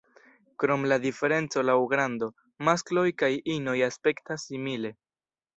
Krom la diferenco laŭ grando, maskloj kaj inoj aspektas simile.